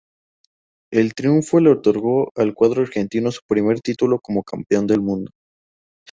El triunfo le otorgó al cuadro argentino su primer título como campeón del mundo.